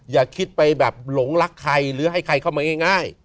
อย่าคิดไปแบบหลงรักใครหรือให้ใครเข้ามาง่าย